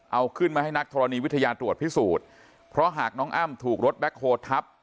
เอาขึ้นมาให้นักธรณีวิทยาตรวจพิสูจน์เพราะหากน้องอ้ำถูกรถแบ็คโฮลทับ